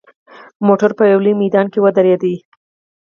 موټر په یوه لوی میدان کې ودرېدل.